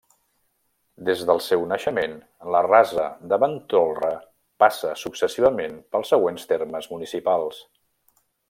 Des del seu naixement, la Rasa de Ventolra passa successivament pels següents termes municipals.